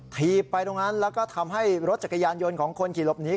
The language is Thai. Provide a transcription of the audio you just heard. ถีบไปตรงนั้นแล้วก็ทำให้รถจักรยานยนต์ของคนขี่หลบนี้